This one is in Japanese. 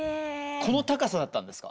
この高さだったんですか？